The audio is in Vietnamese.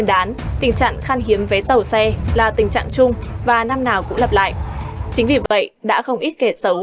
đã rụ ra nhiều kẻ xấu